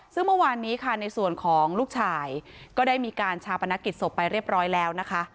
ซึ่งเมื่อวานนี้ค่ะในส่วนของลูกชายก็ได้มีการชาปนกิจศพไปเรียบร้อยแล้วนะคะ